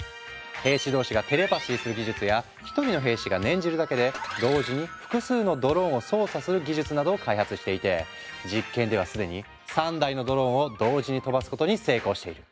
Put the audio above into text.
兵士同士がテレパシーする技術や１人の兵士が念じるだけで同時に複数のドローンを操作する技術などを開発していて実験ではすでに３台のドローンを同時に飛ばすことに成功している。